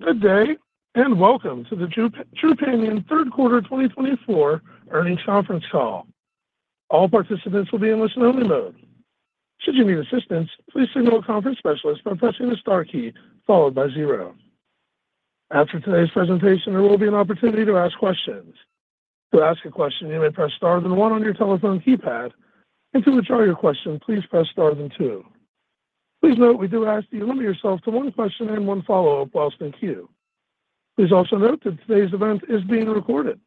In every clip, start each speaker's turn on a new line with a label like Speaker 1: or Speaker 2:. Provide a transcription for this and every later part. Speaker 1: Good day and welcome to the Trupanion Third Quarter 2024 earnings conference call. All participants will be in listen-only mode. Should you need assistance, please signal a conference specialist by pressing the star key followed by zero. After today's presentation, there will be an opportunity to ask questions. To ask a question, you may press star then one on your telephone keypad, and to withdraw your question, please press star then two. Please note we do ask that you limit yourself to one question and one follow-up whilst in queue. Please also note that today's event is being recorded.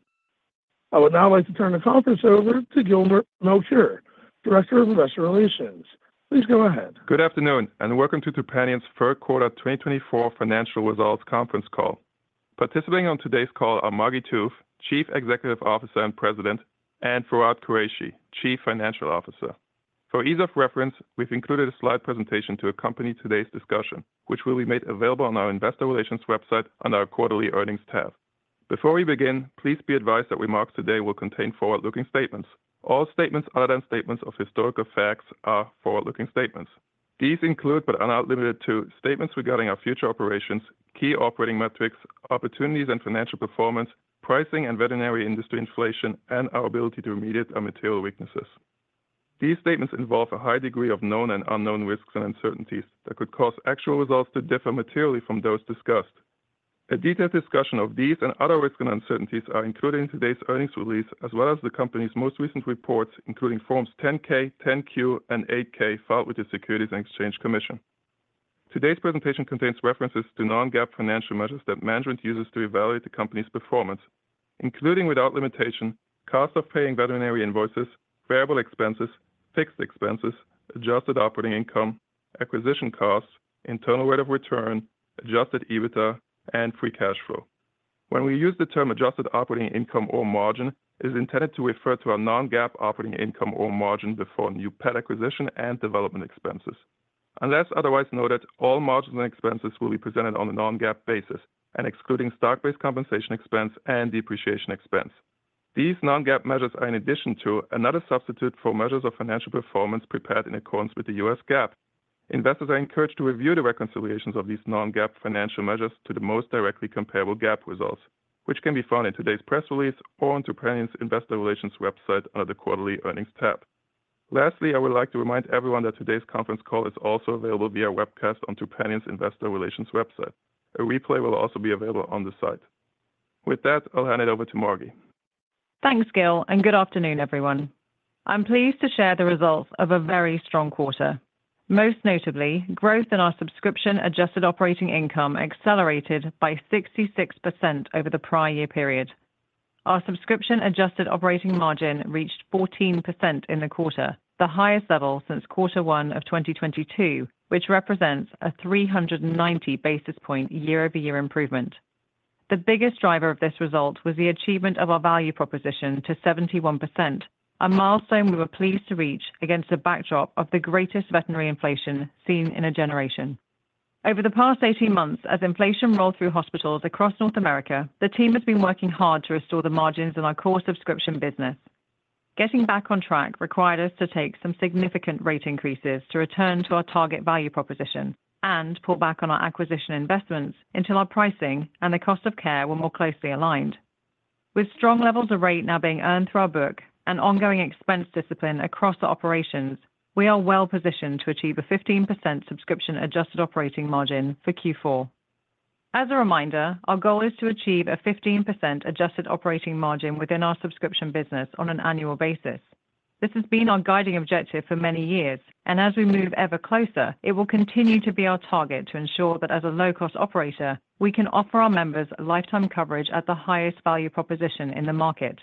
Speaker 1: I would now like to turn the conference over to Gilmer Melchior, Director of Investor Relations. Please go ahead.
Speaker 2: Good afternoon and welcome to Trupanion's Third Quarter 2024 financial results conference call. Participating on today's call are Margi Tooth, Chief Executive Officer and President, and Fawwad Qureshi, Chief Financial Officer. For ease of reference, we've included a slide presentation to accompany today's discussion, which will be made available on our Investor Relations website under our Quarterly Earnings tab. Before we begin, please be advised that remarks today will contain forward-looking statements. All statements other than statements of historical facts are forward-looking statements. These include, but are not limited to, statements regarding our future operations, key operating metrics, opportunities and financial performance, pricing and veterinary industry inflation, and our ability to remediate our material weaknesses. These statements involve a high degree of known and unknown risks and uncertainties that could cause actual results to differ materially from those discussed. A detailed discussion of these and other risks and uncertainties is included in today's earnings release, as well as the company's most recent reports, including Forms 10-K, 10-Q, and 8-K filed with the Securities and Exchange Commission. Today's presentation contains references to non-GAAP financial measures that management uses to evaluate the company's performance, including without limitation costs of paying veterinary invoices, variable expenses, fixed expenses, adjusted operating income, acquisition costs, internal rate of return, adjusted EBITDA, and free cash flow. When we use the term adjusted operating income or margin, it is intended to refer to our non-GAAP operating income or margin before new pet acquisition and development expenses. Unless otherwise noted, all margins and expenses will be presented on a non-GAAP basis, excluding stock-based compensation expense and depreciation expense. These non-GAAP measures are, in addition to another substitute for measures of financial performance prepared in accordance with the U.S. GAAP, investors are encouraged to review the reconciliations of these non-GAAP financial measures to the most directly comparable GAAP results, which can be found in today's press release or on Trupanion's Investor Relations website under the Quarterly Earnings tab. Lastly, I would like to remind everyone that today's conference call is also available via webcast on Trupanion's Investor Relations website. A replay will also be available on the site. With that, I'll hand it over to Margi.
Speaker 3: Thanks, Gil, and good afternoon, everyone. I'm pleased to share the results of a very strong quarter. Most notably, growth in our subscription-adjusted operating income accelerated by 66% over the prior year period. Our subscription-adjusted operating margin reached 14% in the quarter, the highest level since Quarter One of 2022, which represents a 390 basis point year-over-year improvement. The biggest driver of this result was the achievement of our value proposition to 71%, a milestone we were pleased to reach against a backdrop of the greatest veterinary inflation seen in a generation. Over the past 18 months, as inflation rolled through hospitals across North America, the team has been working hard to restore the margins in our core subscription business. Getting back on track required us to take some significant rate increases to return to our target value proposition and pull back on our acquisition investments until our pricing and the cost of care were more closely aligned. With strong levels of rate now being earned through our book and ongoing expense discipline across our operations, we are well positioned to achieve a 15% subscription-adjusted operating margin for Q4. As a reminder, our goal is to achieve a 15% adjusted operating margin within our subscription business on an annual basis. This has been our guiding objective for many years, and as we move ever closer, it will continue to be our target to ensure that as a low-cost operator, we can offer our members lifetime coverage at the highest value proposition in the market.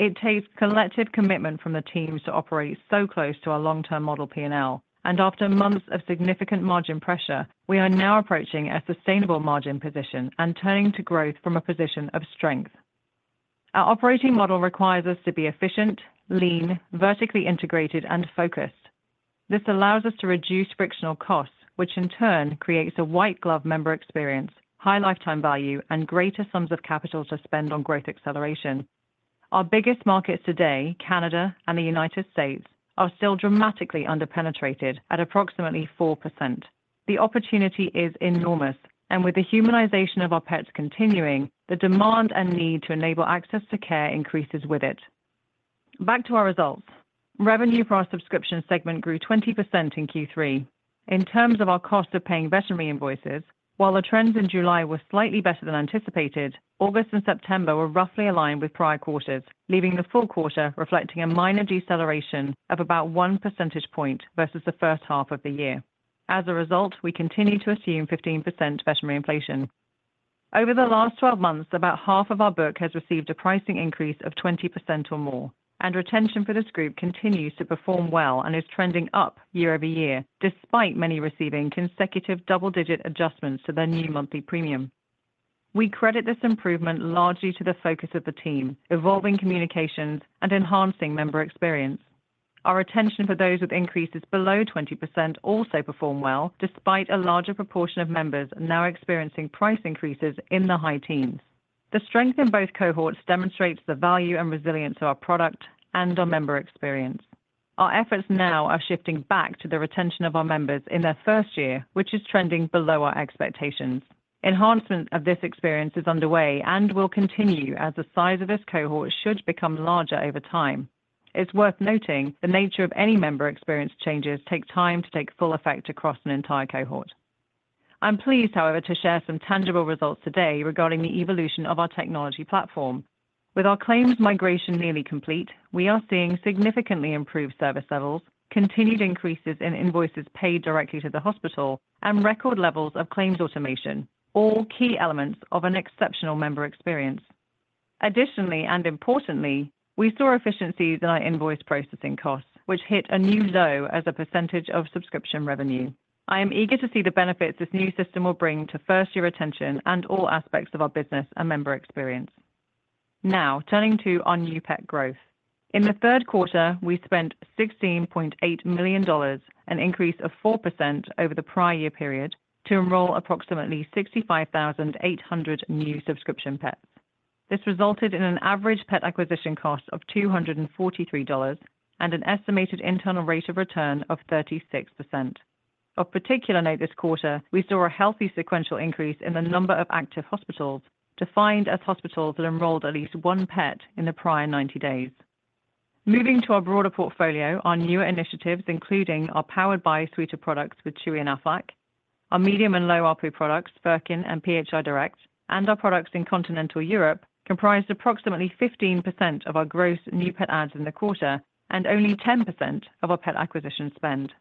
Speaker 3: It takes collective commitment from the teams to operate so close to our long-term model P&L, and after months of significant margin pressure, we are now approaching a sustainable margin position and turning to growth from a position of strength. Our operating model requires us to be efficient, lean, vertically integrated, and focused. This allows us to reduce frictional costs, which in turn creates a white-glove member experience, high lifetime value, and greater sums of capital to spend on growth acceleration. Our biggest markets today, Canada and the United States, are still dramatically underpenetrated at approximately 4%. The opportunity is enormous, and with the humanization of our pets continuing, the demand and need to enable access to care increases with it. Back to our results. Revenue for our subscription segment grew 20% in Q3. In terms of our cost of paying veterinary invoices, while the trends in July were slightly better than anticipated, August and September were roughly aligned with prior quarters, leaving the full quarter reflecting a minor deceleration of about one percentage point versus the first half of the year. As a result, we continue to assume 15% veterinary inflation. Over the last 12 months, about half of our book has received a pricing increase of 20% or more, and retention for this group continues to perform well and is trending up year-over-year, despite many receiving consecutive double-digit adjustments to their new monthly premium. We credit this improvement largely to the focus of the team, evolving communications, and enhancing member experience. Our attention for those with increases below 20% also performed well, despite a larger proportion of members now experiencing price increases in the high teens. The strength in both cohorts demonstrates the value and resilience of our product and our member experience. Our efforts now are shifting back to the retention of our members in their first year, which is trending below our expectations. Enhancement of this experience is underway and will continue as the size of this cohort should become larger over time. It's worth noting the nature of any member experience changes takes time to take full effect across an entire cohort. I'm pleased, however, to share some tangible results today regarding the evolution of our technology platform. With our claims migration nearly complete, we are seeing significantly improved service levels, continued increases in invoices paid directly to the hospital, and record levels of claims automation, all key elements of an exceptional member experience. Additionally and importantly, we saw efficiencies in our invoice processing costs, which hit a new low as a percentage of subscription revenue. I am eager to see the benefits this new system will bring to first-year retention and all aspects of our business and member experience. Now, turning to our new pet growth. In the third quarter, we spent $16.8 million, an increase of 4% over the prior year period, to enroll approximately 65,800 new subscription pets. This resulted in an average pet acquisition cost of $243 and an estimated internal rate of return of 36%. Of particular note this quarter, we saw a healthy sequential increase in the number of active hospitals defined as hospitals that enrolled at least one pet in the prior 90 days. Moving to our broader portfolio, our newer initiatives, including our Powered By suite of products with Chewy and Aflac, our medium and low ARPU products, Furkin and PHI Direct, and our products in continental Europe, comprised approximately 15% of our gross new pet adds in the quarter and only 10% of our pet acquisition spend.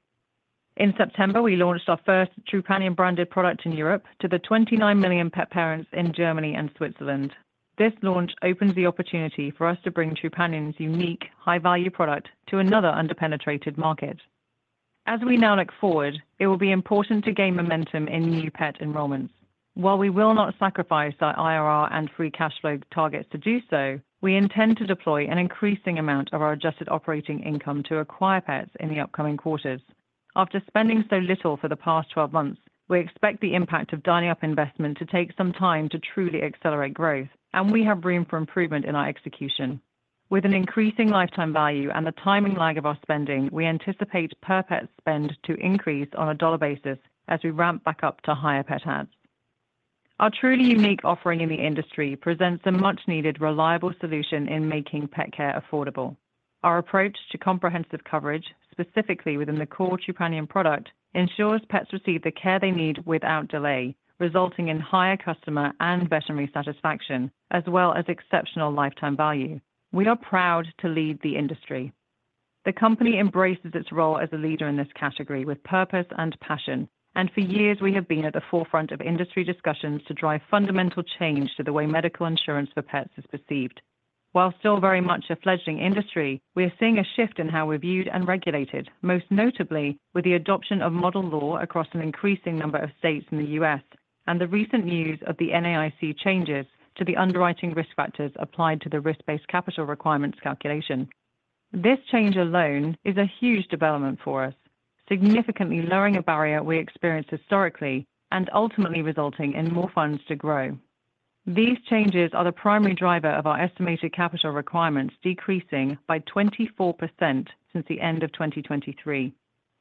Speaker 3: In September, we launched our first Trupanion-branded product in Europe to the 29 million pet parents in Germany and Switzerland. This launch opens the opportunity for us to bring Trupanion's unique, high-value product to another underpenetrated market. As we now look forward, it will be important to gain momentum in new pet enrollments. While we will not sacrifice our IRR and free cash flow targets to do so, we intend to deploy an increasing amount of our adjusted operating income to acquire pets in the upcoming quarters. After spending so little for the past 12 months, we expect the impact of ramping up investment to take some time to truly accelerate growth, and we have room for improvement in our execution. With an increasing lifetime value and the timing lag of our spending, we anticipate per-pet spend to increase on a dollar basis as we ramp back up to higher pet adds. Our truly unique offering in the industry presents a much-needed, reliable solution in making pet care affordable. Our approach to comprehensive coverage, specifically within the core Trupanion product, ensures pets receive the care they need without delay, resulting in higher customer and veterinary satisfaction, as well as exceptional lifetime value. We are proud to lead the industry. The company embraces its role as a leader in this category with purpose and passion, and for years we have been at the forefront of industry discussions to drive fundamental change to the way medical insurance for pets is perceived. While still very much a fledgling industry, we are seeing a shift in how we're viewed and regulated, most notably with the adoption of Model Law across an increasing number of states in the U.S. and the recent news of the NAIC changes to the underwriting risk factors applied to the Risk-Based Capital requirements calculation. This change alone is a huge development for us, significantly lowering a barrier we experienced historically and ultimately resulting in more funds to grow. These changes are the primary driver of our estimated capital requirements decreasing by 24% since the end of 2023.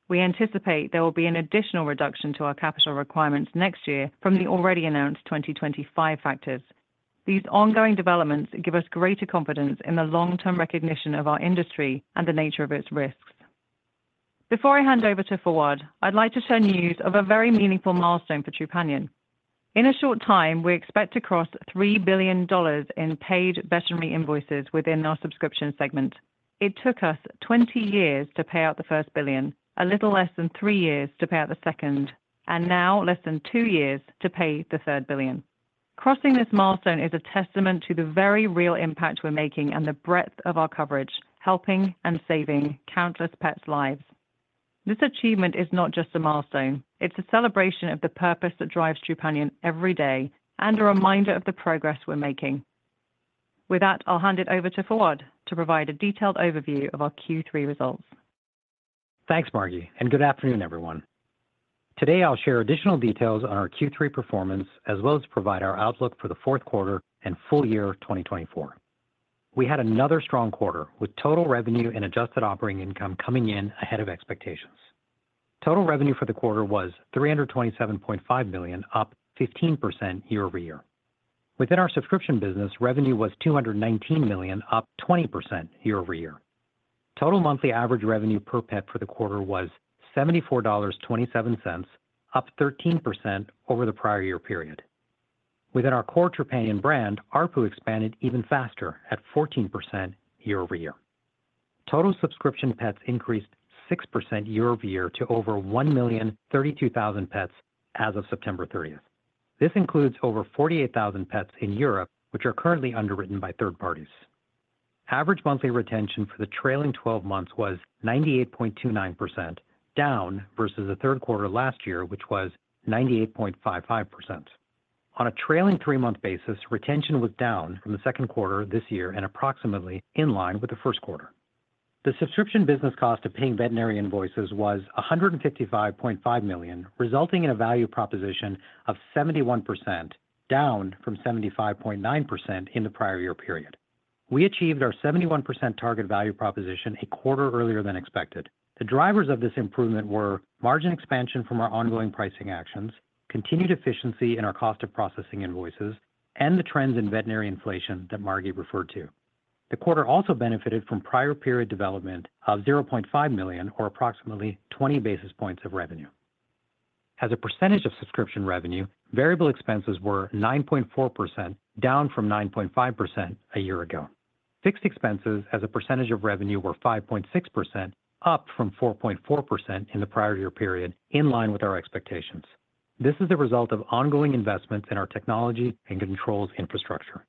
Speaker 3: We anticipate there will be an additional reduction to our capital requirements next year from the already announced 2025 factors. These ongoing developments give us greater confidence in the long-term recognition of our industry and the nature of its risks. Before I hand over to Fawwad, I'd like to share news of a very meaningful milestone for Trupanion. In a short time, we expect to cross $3 billion in paid veterinary invoices within our subscription segment. It took us 20 years to pay out the first billion, a little less than three years to pay out the second, and now less than two years to pay the third billion. Crossing this milestone is a testament to the very real impact we're making and the breadth of our coverage, helping and saving countless pets' lives. This achievement is not just a milestone. It's a celebration of the purpose that drives Trupanion every day and a reminder of the progress we're making. With that, I'll hand it over to Fawwad to provide a detailed overview of our Q3 results.
Speaker 4: Thanks, Margi, and good afternoon, everyone. Today, I'll share additional details on our Q3 performance, as well as provide our outlook for the fourth quarter and full year 2024. We had another strong quarter, with total revenue and adjusted operating income coming in ahead of expectations. Total revenue for the quarter was $327.5 million, up 15% year-over-year. Within our subscription business, revenue was $219 million, up 20% year-over-year. Total monthly average revenue per pet for the quarter was $74.27, up 13% over the prior year period. Within our core Trupanion brand, RPU expanded even faster at 14% year-over-year. Total subscription pets increased 6% year-over-year to over 1,032,000 pets as of September 30th. This includes over 48,000 pets in Europe, which are currently underwritten by third parties. Average monthly retention for the trailing 12 months was 98.29%, down versus the third quarter last year, which was 98.55%. On a trailing three-month basis, retention was down from the second quarter this year and approximately in line with the first quarter. The subscription business cost of paying veterinary invoices was $155.5 million, resulting in a value proposition of 71%, down from 75.9% in the prior year period. We achieved our 71% target value proposition a quarter earlier than expected. The drivers of this improvement were margin expansion from our ongoing pricing actions, continued efficiency in our cost of processing invoices, and the trends in veterinary inflation that Margi referred to. The quarter also benefited from prior period development of $0.5 million, or approximately 20 basis points of revenue. As a percentage of subscription revenue, variable expenses were 9.4%, down from 9.5% a year ago. Fixed expenses, as a percentage of revenue, were 5.6%, up from 4.4% in the prior year period, in line with our expectations. This is the result of ongoing investments in our technology and controls infrastructure.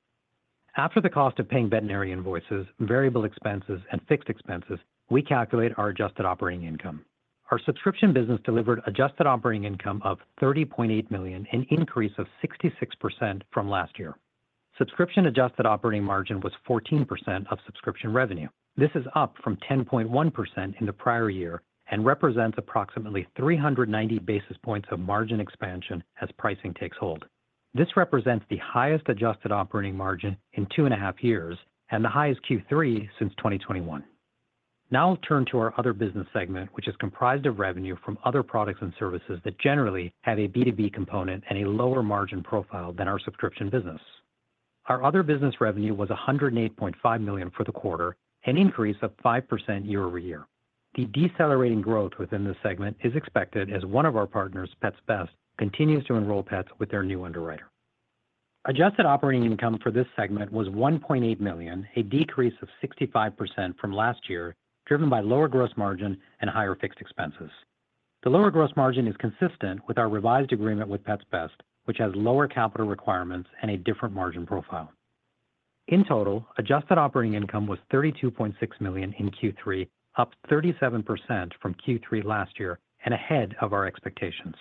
Speaker 4: After the cost of paying veterinary invoices, variable expenses, and fixed expenses, we calculate our adjusted operating income. Our subscription business delivered adjusted operating income of $30.8 million, an increase of 66% from last year. Subscription adjusted operating margin was 14% of subscription revenue. This is up from 10.1% in the prior year and represents approximately 390 basis points of margin expansion as pricing takes hold. This represents the highest adjusted operating margin in two and a half years and the highest Q3 since 2021. Now I'll turn to our other business segment, which is comprised of revenue from other products and services that generally have a B2B component and a lower margin profile than our subscription business. Our other business revenue was $108.5 million for the quarter, an increase of 5% year-over-year. The decelerating growth within this segment is expected as one of our partners, Pets Best, continues to enroll pets with their new underwriter. Adjusted operating income for this segment was $1.8 million, a decrease of 65% from last year, driven by lower gross margin and higher fixed expenses. The lower gross margin is consistent with our revised agreement with Pets Best, which has lower capital requirements and a different margin profile. In total, adjusted operating income was $32.6 million in Q3, up 37% from Q3 last year and ahead of our expectations.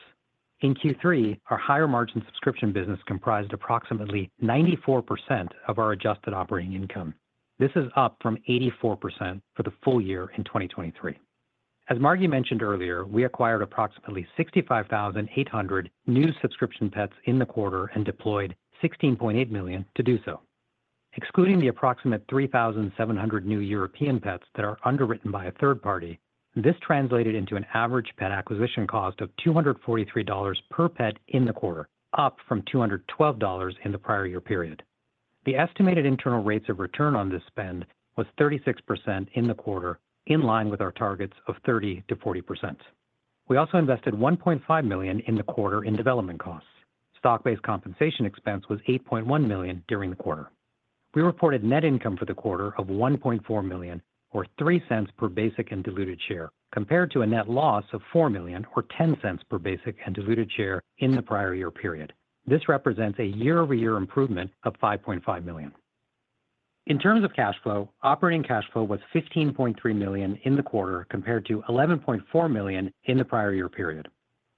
Speaker 4: In Q3, our higher margin subscription business comprised approximately 94% of our adjusted operating income. This is up from 84% for the full year in 2023. As Margi mentioned earlier, we acquired approximately 65,800 new subscription pets in the quarter and deployed $16.8 million to do so. Excluding the approximate 3,700 new European pets that are underwritten by a third party, this translated into an average pet acquisition cost of $243 per pet in the quarter, up from $212 in the prior year period. The estimated internal rates of return on this spend was 36% in the quarter, in line with our targets of 30%-40%. We also invested $1.5 million in the quarter in development costs. Stock-based compensation expense was $8.1 million during the quarter. We reported net income for the quarter of $1.4 million, or $0.03 per basic and diluted share, compared to a net loss of $4 million, or $0.10 per basic and diluted share in the prior year period. This represents a year-over-year improvement of $5.5 million. In terms of cash flow, operating cash flow was $15.3 million in the quarter compared to $11.4 million in the prior year period.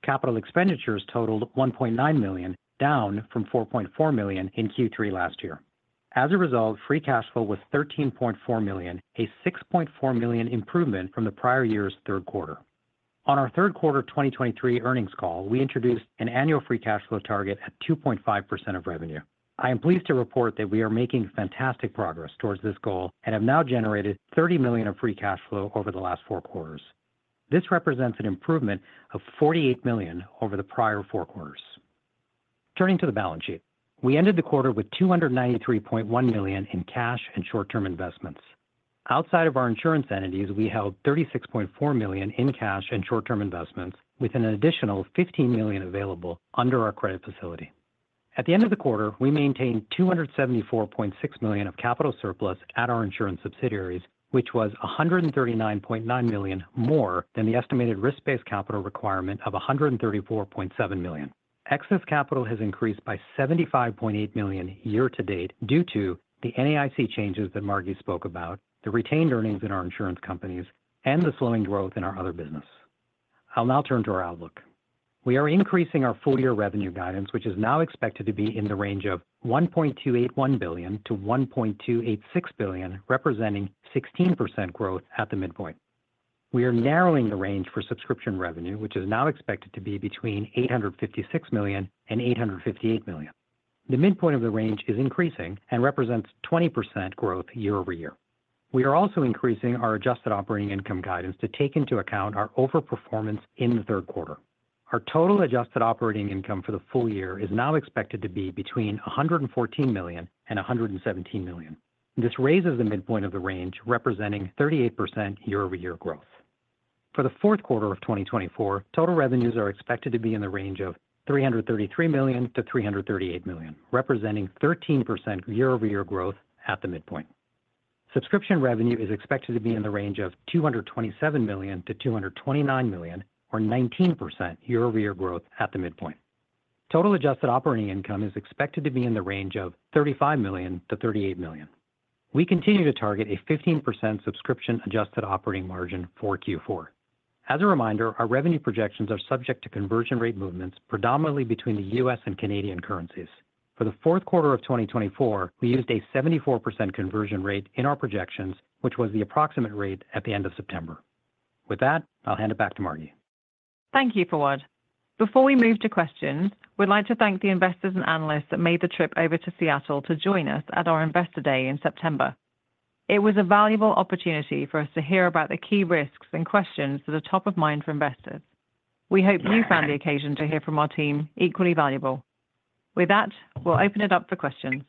Speaker 4: Capital expenditures totaled $1.9 million, down from $4.4 million in Q3 last year. As a result, free cash flow was $13.4 million, a $6.4 million improvement from the prior year's third quarter. On our third quarter 2023 earnings call, we introduced an annual free cash flow target at 2.5% of revenue. I am pleased to report that we are making fantastic progress towards this goal and have now generated $30 million of free cash flow over the last four quarters. This represents an improvement of $48 million over the prior four quarters. Turning to the balance sheet, we ended the quarter with $293.1 million in cash and short-term investments. Outside of our insurance entities, we held $36.4 million in cash and short-term investments, with an additional $15 million available under our credit facility. At the end of the quarter, we maintained $274.6 million of capital surplus at our insurance subsidiaries, which was $139.9 million more than the estimated risk-based capital requirement of $134.7 million. Excess capital has increased by $75.8 million year-to-date due to the NAIC changes that Margi spoke about, the retained earnings in our insurance companies, and the slowing growth in our other business. I'll now turn to our outlook. We are increasing our full-year revenue guidance, which is now expected to be in the range of $1.281 billion-$1.286 billion, representing 16% growth at the midpoint. We are narrowing the range for subscription revenue, which is now expected to be between $856 million and $858 million. The midpoint of the range is increasing and represents 20% growth year-over-year. We are also increasing our adjusted operating income guidance to take into account our overperformance in the third quarter. Our total adjusted operating income for the full year is now expected to be between $114 million and $117 million. This raises the midpoint of the range, representing 38% year-over-year growth. For the fourth quarter of 2024, total revenues are expected to be in the range of $333 million to $338 million, representing 13% year-over-year growth at the midpoint. Subscription revenue is expected to be in the range of $227 million to $229 million, or 19% year-over-year growth at the midpoint. Total adjusted operating income is expected to be in the range of $35 million to $38 million. We continue to target a 15% subscription adjusted operating margin for Q4. As a reminder, our revenue projections are subject to conversion rate movements, predominantly between the US and Canadian currencies. For the fourth quarter of 2024, we used a 74% conversion rate in our projections, which was the approximate rate at the end of September. With that, I'll hand it back to Margi.
Speaker 3: Thank you, Fawwad. Before we move to questions, we'd like to thank the investors and analysts that made the trip over to Seattle to join us at our Investor Day in September. It was a valuable opportunity for us to hear about the key risks and questions that are top of mind for investors. We hope you found the occasion to hear from our team equally valuable. With that, we'll open it up for questions.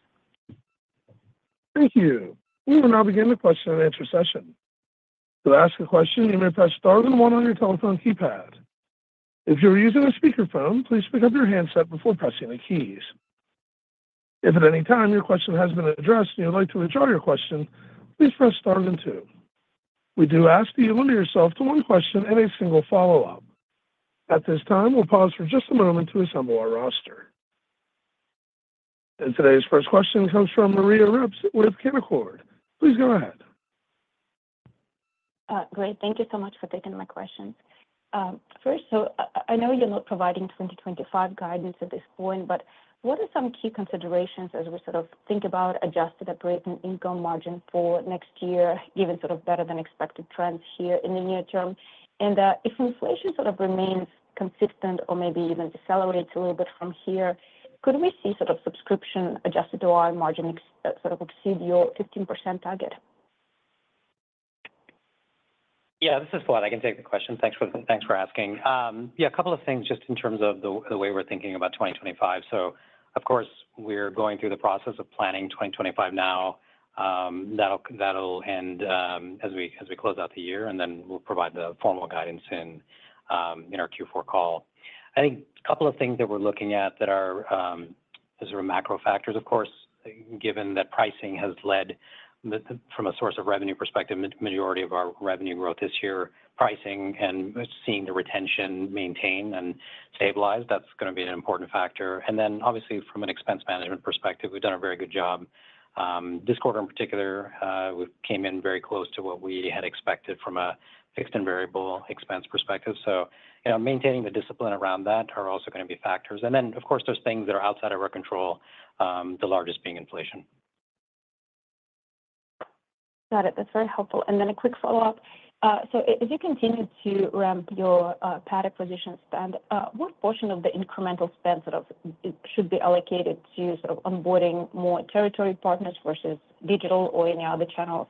Speaker 1: Thank you. We will now begin the question and answer session. To ask a question, you may press *1 on your telephone keypad. If you're using a speakerphone, please pick up your handset before pressing the keys. If at any time your question has been addressed and you'd like to withdraw your question, please press *2. We do ask that you limit yourself to one question and a single follow-up. At this time, we'll pause for just a moment to assemble our roster, and today's first question comes from Maria Ripps with Canaccord. Please go ahead.
Speaker 5: Great. Thank you so much for taking my questions. First, so I know you're not providing 2025 guidance at this point, but what are some key considerations as we sort of think about adjusted operating income margin for next year, given sort of better-than-expected trends here in the near term? And if inflation sort of remains consistent or maybe even decelerates a little bit from here, could we see sort of subscription adjusted OI margin sort of exceed your 15% target?
Speaker 4: Yeah, this is Fawwad. I can take the question. Thanks for asking. Yeah, a couple of things just in terms of the way we're thinking about 2025. So, of course, we're going through the process of planning 2025 now. That'll end as we close out the year, and then we'll provide the formal guidance in our Q4 call. I think a couple of things that we're looking at that are sort of macro factors, of course, given that pricing has led, from a source of revenue perspective, the majority of our revenue growth this year, pricing and seeing the retention maintain and stabilize. That's going to be an important factor. And then, obviously, from an expense management perspective, we've done a very good job. This quarter, in particular, we came in very close to what we had expected from a fixed and variable expense perspective. So, maintaining the discipline around that are also going to be factors. And then, of course, there's things that are outside of our control, the largest being inflation.
Speaker 5: Got it. That's very helpful. And then a quick follow-up. So, as you continue to ramp your pet acquisition spend, what portion of the incremental spend sort of should be allocated to sort of onboarding more territory partners versus digital or any other channels?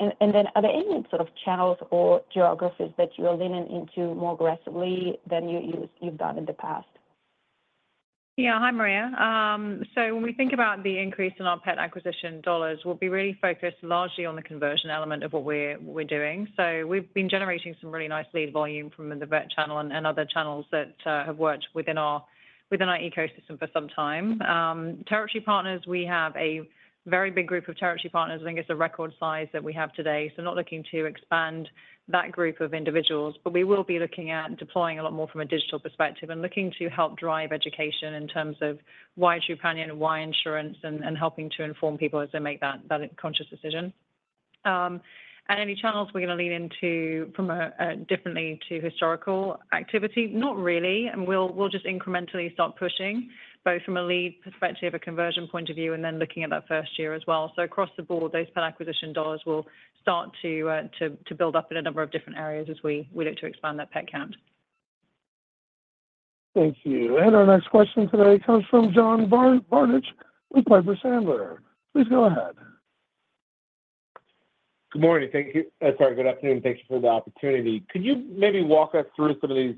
Speaker 5: And then, are there any sort of channels or geographies that you are leaning into more aggressively than you've done in the past?
Speaker 3: Yeah, hi, Maria. So, when we think about the increase in our pet acquisition dollars, we'll be really focused largely on the conversion element of what we're doing. So, we've been generating some really nice lead volume from the VET channel and other channels that have worked within our ecosystem for some time. Territory partners, we have a very big group of territory partners. I think it's a record size that we have today. So, not looking to expand that group of individuals, but we will be looking at deploying a lot more from a digital perspective and looking to help drive education in terms of why Trupanion, why insurance, and helping to inform people as they make that conscious decision. And any channels we're going to lean into differently than historical activity, not really. And we'll just incrementally start pushing, both from a lead perspective, a conversion point of view, and then looking at that first year as well. So, across the board, those pet acquisition dollars will start to build up in a number of different areas as we look to expand that pet count.
Speaker 1: Thank you. And our next question today comes from John Barnidge with Piper Sandler. Please go ahead.
Speaker 6: Good morning. Thank you. Sorry, good afternoon. Thank you for the opportunity. Could you maybe walk us through some of these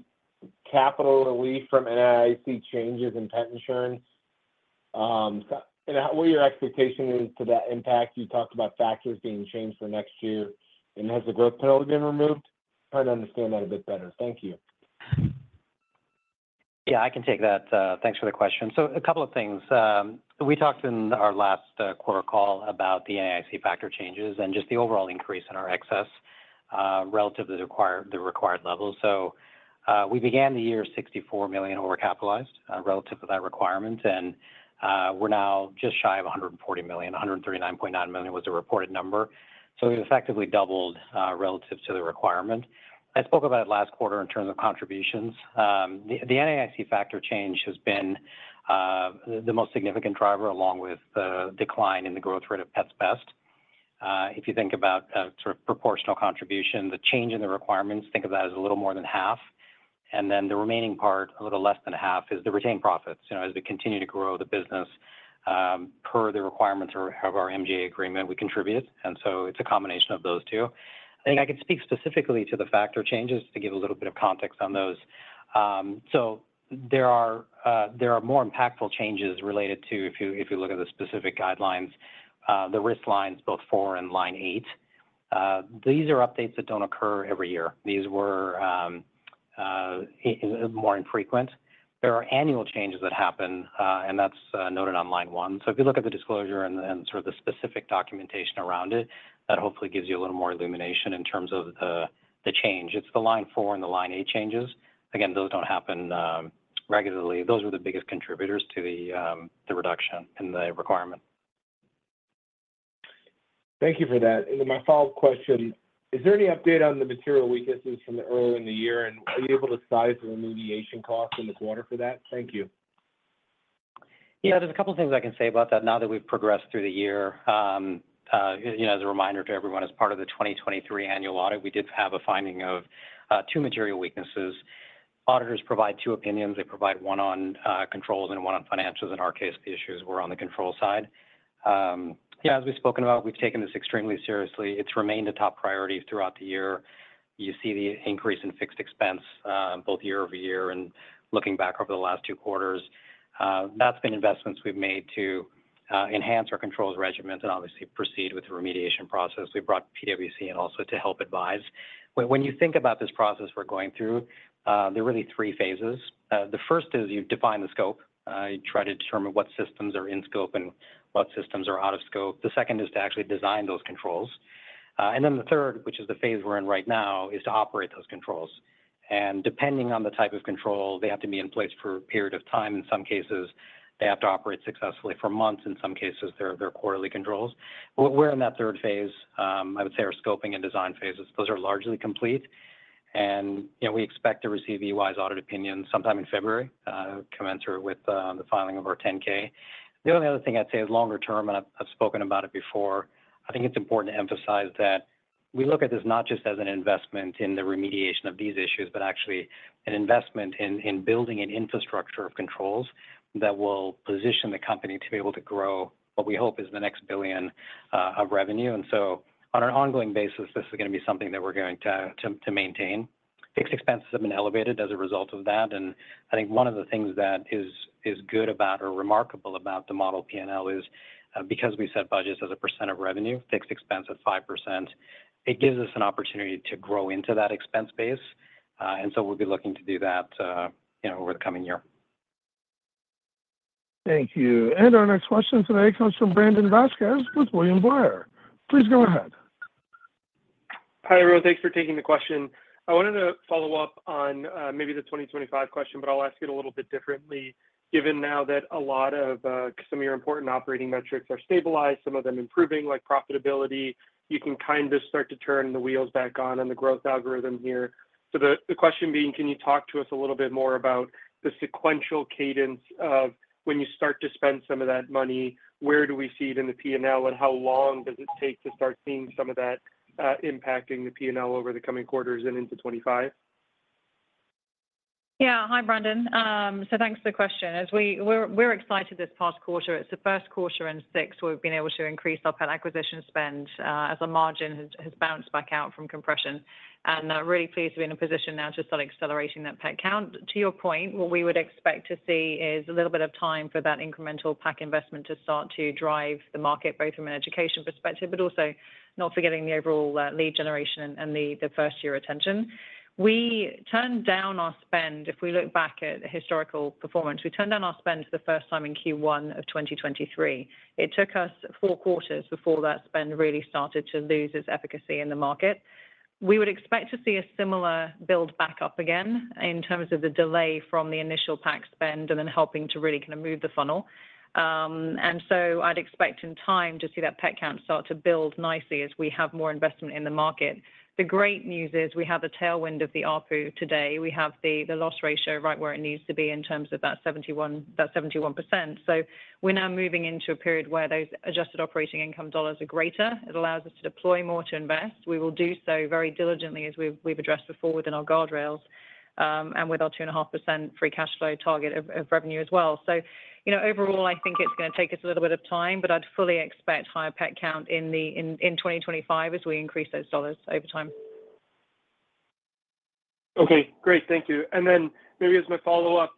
Speaker 6: capital relief from NAIC changes in pet insurance? And what are your expectations to that impact? You talked about factors being changed for next year. And has the growth penalty been removed? Trying to understand that a bit better. Thank you.
Speaker 4: Yeah, I can take that. Thanks for the question. So, a couple of things. We talked in our last quarter call about the NAIC factor changes and just the overall increase in our excess relative to the required level. So, we began the year $64 million overcapitalized relative to that requirement, and we're now just shy of $140 million. $139.9 million was the reported number. So, we've effectively doubled relative to the requirement. I spoke about it last quarter in terms of contributions. The NAIC factor change has been the most significant driver, along with the decline in the growth rate of Pets Best. If you think about sort of proportional contribution, the change in the requirements, think of that as a little more than half. And then the remaining part, a little less than half, is the retained profits. As we continue to grow the business, per the requirements of our MGA agreement, we contribute, and so it's a combination of those two. I think I could speak specifically to the factor changes to give a little bit of context on those, so there are more impactful changes related to, if you look at the specific guidelines, the risk lines, both four and line eight. These are updates that don't occur every year. These were more infrequent. There are annual changes that happen, and that's noted on line one, so if you look at the disclosure and sort of the specific documentation around it, that hopefully gives you a little more illumination in terms of the change. It's the line four and the line eight changes. Again, those don't happen regularly. Those were the biggest contributors to the reduction in the requirement.
Speaker 6: Thank you for that. And then my follow-up question, is there any update on the material weaknesses from earlier in the year? And are you able to size the remediation cost in the quarter for that? Thank you.
Speaker 4: Yeah, there's a couple of things I can say about that now that we've progressed through the year. As a reminder to everyone, as part of the 2023 annual audit, we did have a finding of two material weaknesses. Auditors provide two opinions. They provide one on controls and one on finances. In our case, the issues were on the control side. Yeah, as we've spoken about, we've taken this extremely seriously. It's remained a top priority throughout the year. You see the increase in fixed expense, both year-over-year and looking back over the last two quarters. That's been investments we've made to enhance our controls regimen and obviously proceed with the remediation process. We brought PwC in also to help advise. When you think about this process we're going through, there are really three phases. The first is you define the scope. You try to determine what systems are in scope and what systems are out of scope. The second is to actually design those controls. And then the third, which is the phase we're in right now, is to operate those controls. And depending on the type of control, they have to be in place for a period of time. In some cases, they have to operate successfully for months. In some cases, they're quarterly controls. We're in that third phase. I would say our scoping and design phases, those are largely complete. And we expect to receive EY's audit opinion sometime in February, commensurate with the filing of our 10-K. The only other thing I'd say is longer term, and I've spoken about it before. I think it's important to emphasize that we look at this not just as an investment in the remediation of these issues, but actually an investment in building an infrastructure of controls that will position the company to be able to grow what we hope is the next billion of revenue. And so, on an ongoing basis, this is going to be something that we're going to maintain. Fixed expenses have been elevated as a result of that. And I think one of the things that is good about or remarkable about the model P&L is because we set budgets as a % of revenue, fixed expense at 5%, it gives us an opportunity to grow into that expense base. And so, we'll be looking to do that over the coming year.
Speaker 1: Thank you, and our next question today comes from Brandon Vazquez with William Blair. Please go ahead.
Speaker 7: Hi, everyone. Thanks for taking the question. I wanted to follow up on maybe the 2025 question, but I'll ask it a little bit differently. Given now that a lot of some of your important operating metrics are stabilized, some of them improving, like profitability, you can kind of start to turn the wheels back on and the growth algorithm here. So the question being, can you talk to us a little bit more about the sequential cadence of when you start to spend some of that money, where do we see it in the P&L, and how long does it take to start seeing some of that impacting the P&L over the coming quarters and into 2025?
Speaker 3: Yeah, hi, Brandon. So thanks for the question. We're excited this past quarter. It's the first quarter in six where we've been able to increase our pet acquisition spend as our margin has bounced back out from compression, and really pleased to be in a position now to start accelerating that pet count. To your point, what we would expect to see is a little bit of time for that incremental PAC investment to start to drive the market, both from an education perspective, but also not forgetting the overall lead generation and the first-year attention. We turned down our spend. If we look back at historical performance, we turned down our spend for the first time in Q1 of 2023. It took us four quarters before that spend really started to lose its efficacy in the market. We would expect to see a similar build back up again in terms of the delay from the initial PAC spend and then helping to really kind of move the funnel, and so, I'd expect in time to see that pet count start to build nicely as we have more investment in the market. The great news is we have the tailwind of the ARPU today. We have the loss ratio right where it needs to be in terms of that 71%, so we're now moving into a period where those adjusted operating income dollars are greater. It allows us to deploy more to invest. We will do so very diligently, as we've addressed before within our guardrails and with our 2.5% free cash flow target of revenue as well. Overall, I think it's going to take us a little bit of time, but I'd fully expect higher pet count in 2025 as we increase those dollars over time.
Speaker 7: Okay, great. Thank you. And then maybe as my follow-up,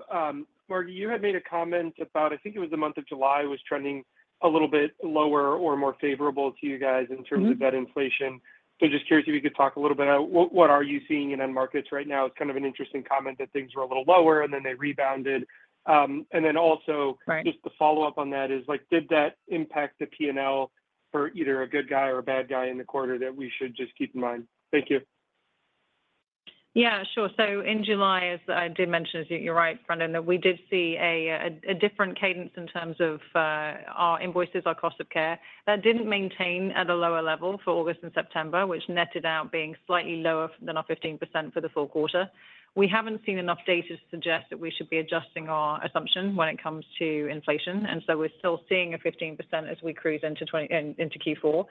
Speaker 7: Margi, you had made a comment about, I think it was the month of July was trending a little bit lower or more favorable to you guys in terms of that inflation. So just curious if you could talk a little bit about what are you seeing in end markets right now. It's kind of an interesting comment that things were a little lower and then they rebounded. And then also just the follow-up on that is, did that impact the P&L for either a good guy or a bad guy in the quarter that we should just keep in mind? Thank you.
Speaker 3: Yeah, sure. So in July, as I did mention, as you're right, Brandon, that we did see a different cadence in terms of our invoices, our cost of care. That didn't maintain at a lower level for August and September, which netted out being slightly lower than our 15% for the full quarter. We haven't seen enough data to suggest that we should be adjusting our assumption when it comes to inflation. And so we're still seeing a 15% as we cruise into Q4.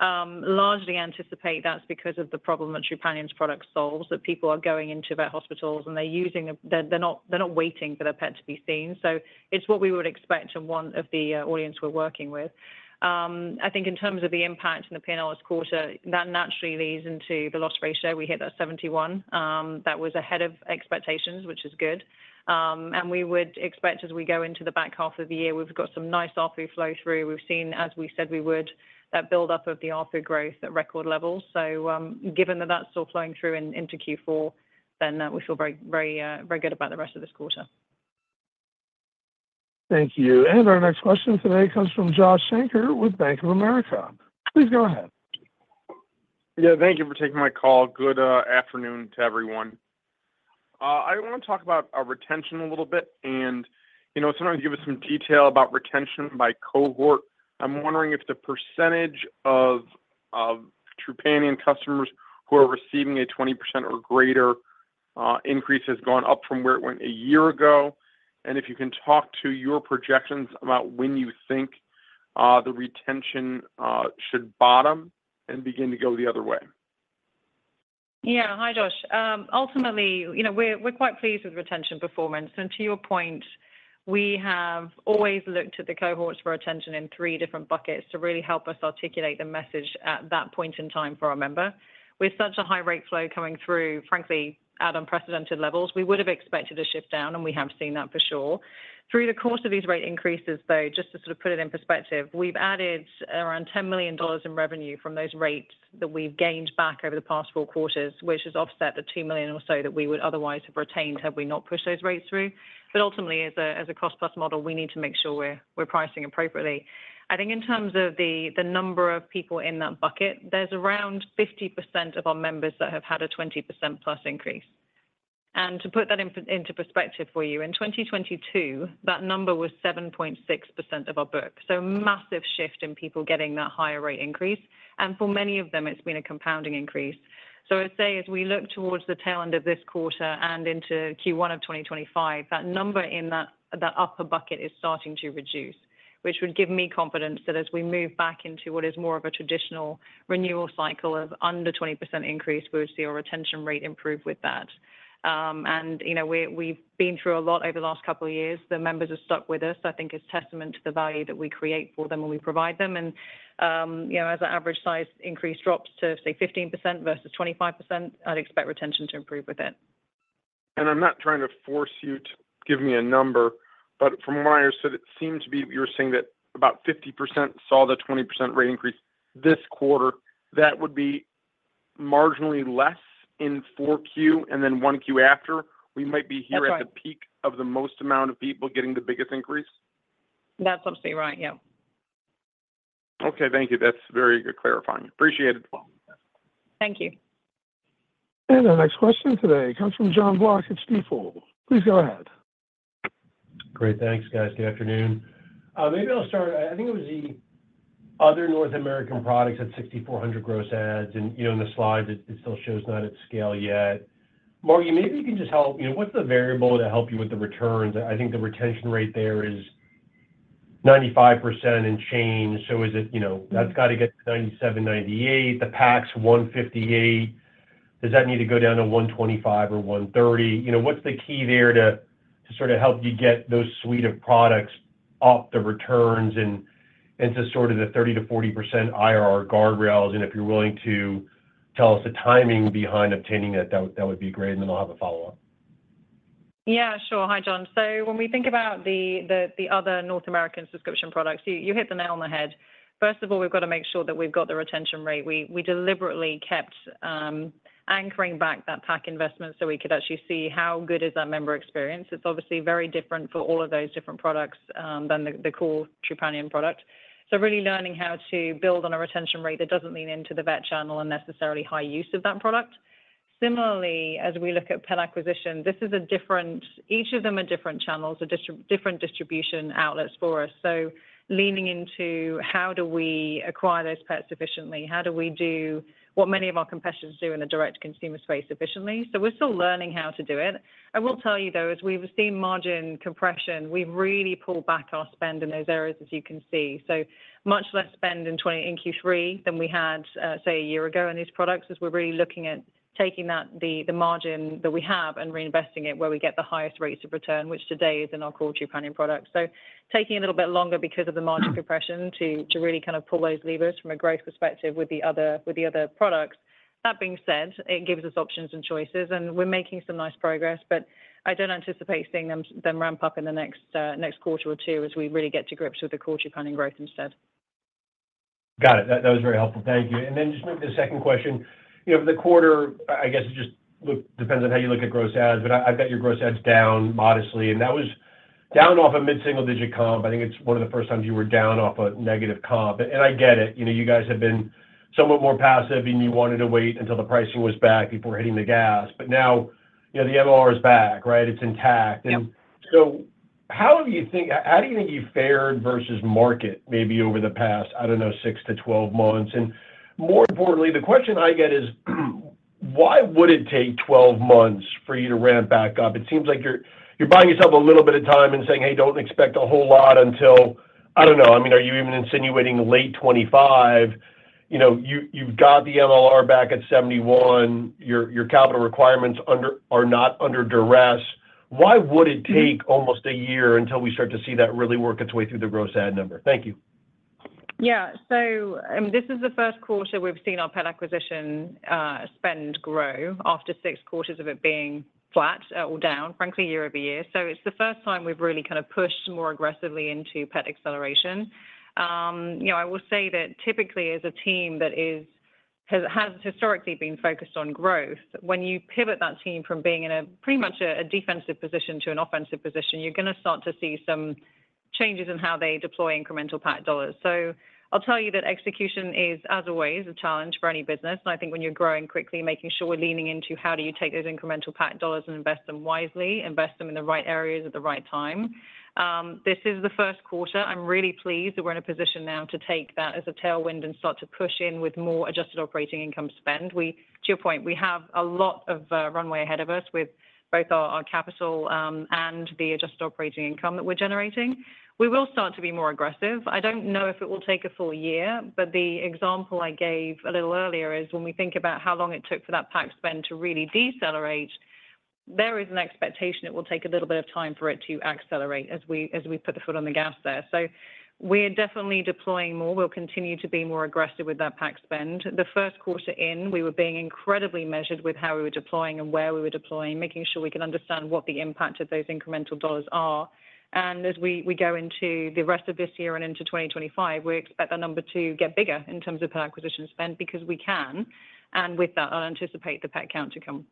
Speaker 3: Largely anticipate that's because of the problem that our product solves, that people are going into vet hospitals and they're not waiting for their pet to be seen. So it's what we would expect from one of the audience we're working with. I think in terms of the impact in the P&L this quarter, that naturally leads into the loss ratio. We hit that 71%. That was ahead of expectations, which is good, and we would expect as we go into the back half of the year, we've got some nice ARPU flow through. We've seen, as we said, we would, that buildup of the ARPU growth at record levels, so given that that's still flowing through into Q4, then we feel very good about the rest of this quarter.
Speaker 1: Thank you. Our next question today comes from Josh Shanker with Bank of America. Please go ahead.
Speaker 8: Yeah, thank you for taking my call. Good afternoon to everyone. I want to talk about our retention a little bit. And sometimes you give us some detail about retention by cohort. I'm wondering if the percentage of Canadian customers who are receiving a 20% or greater increase has gone up from where it went a year ago. And if you can talk to your projections about when you think the retention should bottom and begin to go the other way.
Speaker 3: Yeah, hi, Josh. Ultimately, we're quite pleased with retention performance. And to your point, we have always looked at the cohorts for retention in three different buckets to really help us articulate the message at that point in time for our member. With such a high rate flow coming through, frankly, at unprecedented levels, we would have expected a shift down, and we have seen that for sure. Through the course of these rate increases, though, just to sort of put it in perspective, we've added around $10 million in revenue from those rates that we've gained back over the past four quarters, which has offset the $2 million or so that we would otherwise have retained had we not pushed those rates through. But ultimately, as a cost-plus model, we need to make sure we're pricing appropriately. I think in terms of the number of people in that bucket, there's around 50% of our members that have had a 20% plus increase, and to put that into perspective for you, in 2022, that number was 7.6% of our book, so a massive shift in people getting that higher rate increase, and for many of them, it's been a compounding increase, so I would say as we look towards the tail end of this quarter and into Q1 of 2025, that number in that upper bucket is starting to reduce, which would give me confidence that as we move back into what is more of a traditional renewal cycle of under 20% increase, we would see our retention rate improve with that, and we've been through a lot over the last couple of years. The members are stuck with us. I think it's testament to the value that we create for them when we provide them, and as our average size increase drops to, say, 15% versus 25%, I'd expect retention to improve with it.
Speaker 8: I'm not trying to force you to give me a number, but from what I understood, it seemed to be you were saying that about 50% saw the 20% rate increase this quarter. That would be marginally less in four Q and then one Q after. We might be here at the peak of the most amount of people getting the biggest increase.
Speaker 3: That's absolutely right, yeah.
Speaker 8: Okay, thank you. That's very good clarifying. Appreciate it.
Speaker 3: Thank you.
Speaker 1: Our next question today comes from Jon Block at Stifel. Please go ahead.
Speaker 9: Great, thanks, guys. Good afternoon. Maybe I'll start. I think it was the other North American products at 6,400 gross adds. And in the slides, it still shows not at scale yet. Margi, maybe you can just help. What's the variable to help you with the returns? I think the retention rate there is 95% and change. So that's got to get to 97, 98. The PAC's 158. Does that need to go down to 125 or 130? What's the key there to sort of help you get those suite of products up the returns and to sort of the 30%-40% IRR guardrails? And if you're willing to tell us the timing behind obtaining that, that would be great. And then I'll have a follow-up.
Speaker 3: Yeah, sure. Hi, Jon. So when we think about the other North American subscription products, you hit the nail on the head. First of all, we've got to make sure that we've got the retention rate. We deliberately kept anchoring back that PAC investment so we could actually see how good is that member experience. It's obviously very different for all of those different products than the core Trupanion product. So really learning how to build on a retention rate that doesn't lean into the vet channel and necessarily high use of that product. Similarly, as we look at pet acquisition, this is a different each of them are different channels, different distribution outlets for us. So leaning into how do we acquire those pets efficiently? How do we do what many of our competitors do in the direct consumer space efficiently? So we're still learning how to do it. I will tell you, though, as we've seen margin compression, we've really pulled back our spend in those areas, as you can see. So much less spend in Q3 than we had, say, a year ago on these products as we're really looking at taking the margin that we have and reinvesting it where we get the highest rates of return, which today is in our core branded products. So taking a little bit longer because of the margin compression to really kind of pull those levers from a growth perspective with the other products. That being said, it gives us options and choices, and we're making some nice progress, but I don't anticipate seeing them ramp up in the next quarter or two as we really get to grips with the core branded growth instead.
Speaker 9: Got it. That was very helpful. Thank you. And then just moving to the second question. For the quarter, I guess it just depends on how you look at gross ads, but I've got your gross ads down modestly. And that was down off a mid-single-digit comp. I think it's one of the first times you were down off a negative comp. And I get it. You guys have been somewhat more passive, and you wanted to wait until the pricing was back before hitting the gas. But now the MLR is back, right? It's intact. And so how do you think you fared versus market maybe over the past, I don't know, 6-12 months? And more importantly, the question I get is, why would it take 12 months for you to ramp back up? It seems like you're buying yourself a little bit of time and saying, "Hey, don't expect a whole lot until," I don't know. I mean, are you even insinuating late 2025? You've got the MLR back at 71%. Your capital requirements are not under duress. Why would it take almost a year until we start to see that really work its way through the gross ad number? Thank you.
Speaker 3: Yeah. So this is the first quarter we've seen our pet acquisition spend grow after six quarters of it being flat or down, frankly, year over year. So it's the first time we've really kind of pushed more aggressively into pet acquisition. I will say that typically, as a team that has historically been focused on growth, when you pivot that team from being in pretty much a defensive position to an offensive position, you're going to start to see some changes in how they deploy incremental PAC dollars. So I'll tell you that execution is, as always, a challenge for any business. And I think when you're growing quickly, making sure we're leaning into how do you take those incremental PAC dollars and invest them wisely, invest them in the right areas at the right time. This is the first quarter. I'm really pleased that we're in a position now to take that as a tailwind and start to push in with more adjusted operating income spend. To your point, we have a lot of runway ahead of us with both our capital and the adjusted operating income that we're generating. We will start to be more aggressive. I don't know if it will take a full year, but the example I gave a little earlier is when we think about how long it took for that PAC spend to really decelerate, there is an expectation it will take a little bit of time for it to accelerate as we put the foot on the gas there. So we're definitely deploying more. We'll continue to be more aggressive with that PAC spend. The first quarter in, we were being incredibly measured with how we were deploying and where we were deploying, making sure we can understand what the impact of those incremental dollars are. And as we go into the rest of this year and into 2025, we expect that number to get bigger in terms of pet acquisition spend because we can. And with that, I'll anticipate the pet count to come.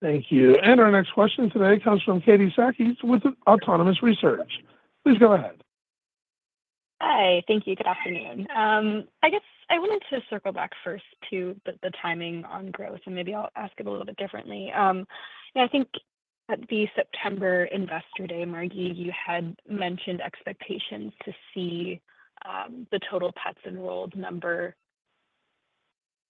Speaker 1: Thank you. Our next question today comes from Katie Sakys with Autonomous Research. Please go ahead.
Speaker 10: Hi. Thank you. Good afternoon. I guess I wanted to circle back first to the timing on growth, and maybe I'll ask it a little bit differently. I think at the September Investor Day, Margi, you had mentioned expectations to see the total pets enrolled number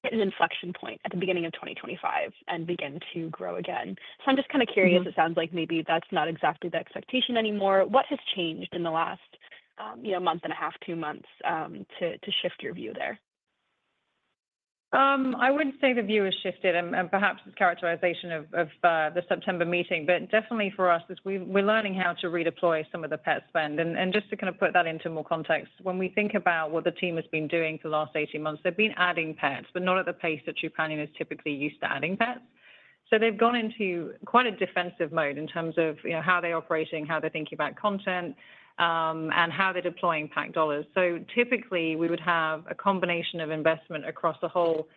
Speaker 10: hit an inflection point at the beginning of 2025 and begin to grow again. So I'm just kind of curious. It sounds like maybe that's not exactly the expectation anymore. What has changed in the last month and a half, two months to shift your view there?
Speaker 3: I wouldn't say the view has shifted, and perhaps it's characterization of the September meeting, but definitely for us, we're learning how to redeploy some of the pet spend, and just to kind of put that into more context, when we think about what the team has been doing for the last 18 months, they've been adding pets, but not at the pace that Trupanion is typically used to adding pets, so they've gone into quite a defensive mode in terms of how they're operating, how they're thinking about content, and how they're deploying PAC dollars, so typically, we would have a combination of investment across a whole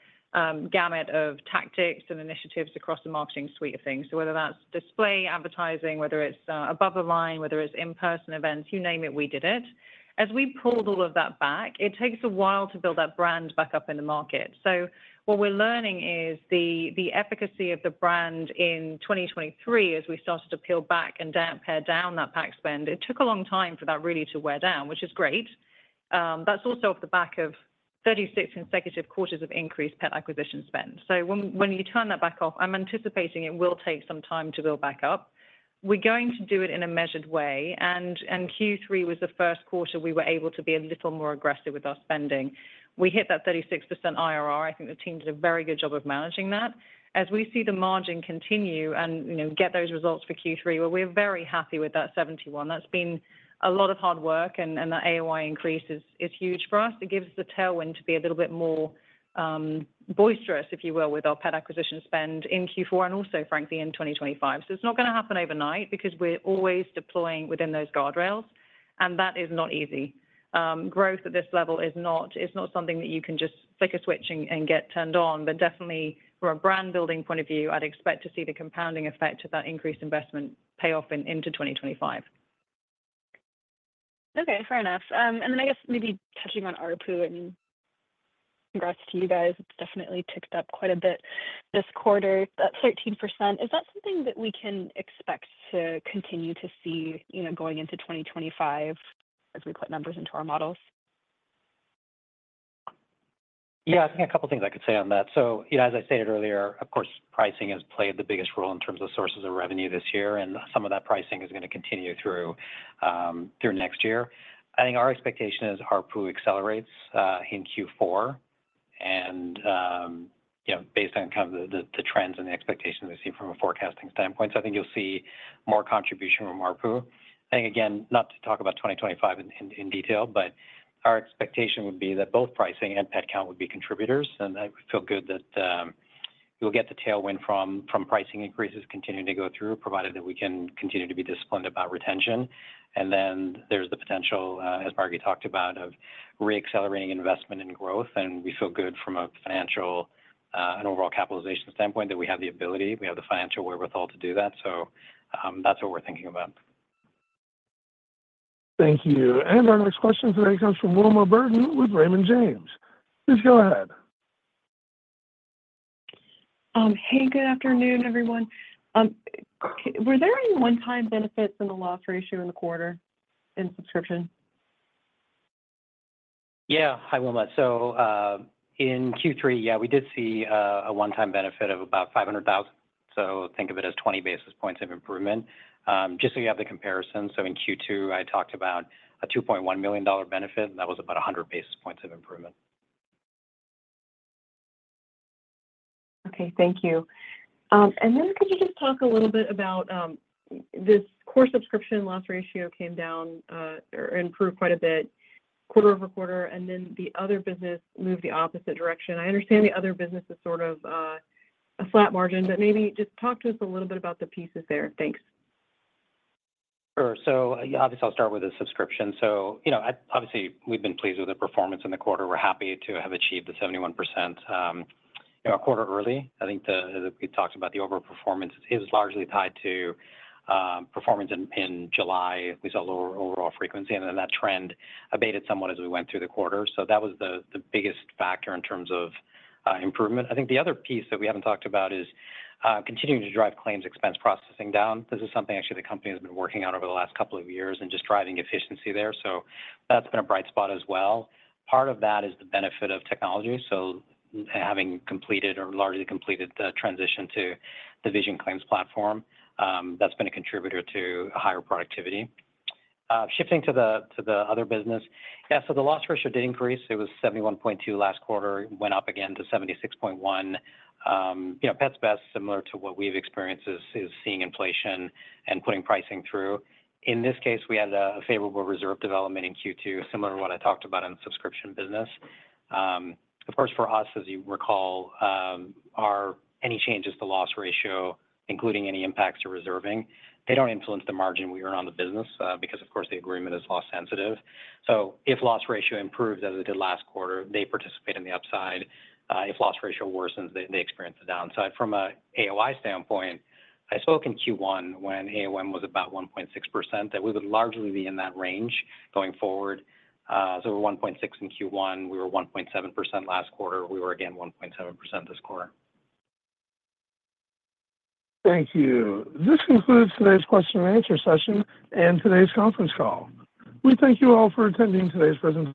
Speaker 3: gamut of tactics and initiatives across the marketing suite of things, so whether that's display advertising, whether it's above the line, whether it's in-person events, you name it, we did it. As we pulled all of that back, it takes a while to build that brand back up in the market. So what we're learning is the efficacy of the brand in 2023, as we started to peel back and pare down that PAC spend, it took a long time for that really to wear down, which is great. That's also off the back of 36 consecutive quarters of increased pet acquisition spend. So when you turn that back off, I'm anticipating it will take some time to build back up. We're going to do it in a measured way. And Q3 was the first quarter we were able to be a little more aggressive with our spending. We hit that 36% IRR. I think the team did a very good job of managing that. As we see the margin continue and get those results for Q3, well, we're very happy with that 71%. That's been a lot of hard work, and that AOI increase is huge for us. It gives us the tailwind to be a little bit more boisterous, if you will, with our pet acquisition spend in Q4 and also, frankly, in 2025, so it's not going to happen overnight because we're always deploying within those guardrails, and that is not easy. Growth at this level is not something that you can just flick a switch and get turned on, but definitely, from a brand-building point of view, I'd expect to see the compounding effect of that increased investment pay off into 2025.
Speaker 10: Okay, fair enough. And then I guess maybe touching on ARPU and congrats to you guys. It's definitely ticked up quite a bit this quarter, that 13%. Is that something that we can expect to continue to see going into 2025 as we put numbers into our models?
Speaker 4: Yeah, I think a couple of things I could say on that. So as I stated earlier, of course, pricing has played the biggest role in terms of sources of revenue this year, and some of that pricing is going to continue through next year. I think our expectation is ARPU accelerates in Q4. And based on kind of the trends and the expectations we see from a forecasting standpoint, so I think you'll see more contribution from ARPU. I think, again, not to talk about 2025 in detail, but our expectation would be that both pricing and pet count would be contributors. And I feel good that we will get the tailwind from pricing increases continuing to go through, provided that we can continue to be disciplined about retention. And then there's the potential, as Margi talked about, of re-accelerating investment and growth. We feel good from a financial and overall capitalization standpoint that we have the ability. We have the financial wherewithal to do that. That's what we're thinking about.
Speaker 1: Thank you. And our next question today comes from Wilma Burdis with Raymond James. Please go ahead.
Speaker 11: Hey, good afternoon, everyone. Were there any one-time benefits in the loss ratio in the quarter in subscription?
Speaker 4: Yeah, hi, Wilma. So in Q3, yeah, we did see a one-time benefit of about $500,000. So think of it as 20 basis points of improvement. Just so you have the comparison, so in Q2, I talked about a $2.1 million benefit, and that was about 100 basis points of improvement.
Speaker 11: Okay, thank you. And then could you just talk a little bit about this core subscription loss ratio came down or improved quite a bit quarter over quarter, and then the other business moved the opposite direction? I understand the other business is sort of a flat margin, but maybe just talk to us a little bit about the pieces there. Thanks.
Speaker 4: Sure. So obviously, I'll start with the subscription. So obviously, we've been pleased with the performance in the quarter. We're happy to have achieved the 71% a quarter early. I think we talked about the overall performance. It was largely tied to performance in July. We saw lower overall frequency, and then that trend abated somewhat as we went through the quarter. So that was the biggest factor in terms of improvement. I think the other piece that we haven't talked about is continuing to drive claims expense processing down. This is something actually the company has been working on over the last couple of years and just driving efficiency there. So that's been a bright spot as well. Part of that is the benefit of technology. So having completed or largely completed the transition to the Vision Claims platform, that's been a contributor to higher productivity. Shifting to the other business, yeah, so the loss ratio did increase. It was 71.2 last quarter, went up again to 76.1. Pets Best, similar to what we've experienced, is seeing inflation and putting pricing through. In this case, we had a favorable reserve development in Q2, similar to what I talked about in the subscription business. Of course, for us, as you recall, any changes to loss ratio, including any impacts to reserving, they don't influence the margin we earn on the business because, of course, the agreement is loss-sensitive. So if loss ratio improves as it did last quarter, they participate in the upside. If loss ratio worsens, they experience the downside. From an AOI standpoint, I spoke in Q1 when AOM was about 1.6%, that we would largely be in that range going forward. So we're 1.6% in Q1. We were 1.7% last quarter. We were again 1.7% this quarter.
Speaker 1: Thank you. This concludes today's question and answer session and today's conference call. We thank you all for attending today's presentation.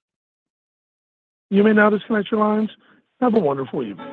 Speaker 1: You may now disconnect your lines. Have a wonderful evening.